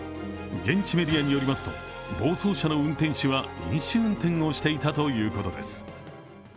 現地メディアによりますと暴走車の運転手は飲酒運転をしていたということです。